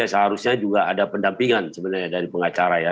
seharusnya juga ada pendampingan sebenarnya dari pengacara ya